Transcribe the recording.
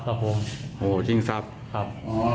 ครับ